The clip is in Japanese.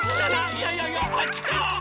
いやいやいやあっちかな？